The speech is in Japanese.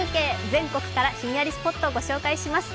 全国からひんやりスポットを御紹介します。